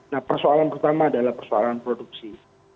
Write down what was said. nah persoalan pertama adalah persoalan produksi